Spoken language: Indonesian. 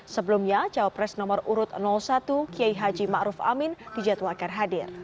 sebelumnya jawab pres nomor urut satu kiai haji ma'ruf amin dijadwalkan hadir